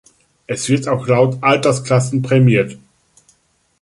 Es wird auch laut Altersklassen prämiert.